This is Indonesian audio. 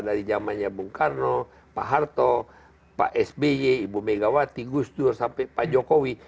dari zamannya bung karno pak harto pak sby ibu megawati gus dur sampai pak jokowi